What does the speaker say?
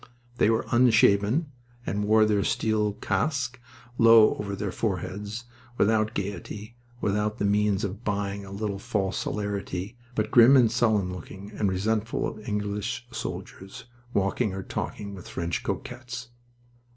They were unshaven, and wore their steel casques low over their foreheads, without gaiety, without the means of buying a little false hilarity, but grim and sullen looking and resentful of English soldiers walking or talking with French cocottes.